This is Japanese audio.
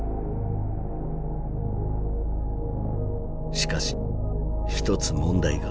しかし一つ問題が。